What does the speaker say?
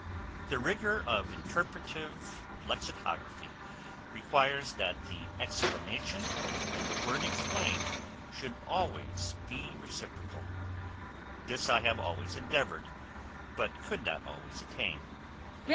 The rigor of interpretative lexicography requires that the explanation, and the word explained should be always reciprocal; this I have always endeavoured, but could not always attain.